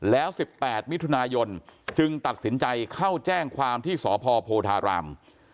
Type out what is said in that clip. แล้ว๑๘มิถุนายนจึงตัดสินใจเข้าแจ้งความที่สพโพธาราม